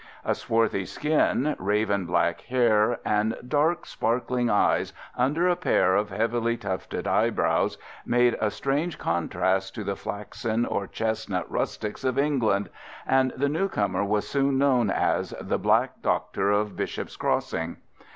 A swarthy skin, raven black hair, and dark, sparkling eyes under a pair of heavily tufted brows made a strange contrast to the flaxen or chestnut rustics of England, and the new comer was soon known as "The Black Doctor of Bishop's Crossing."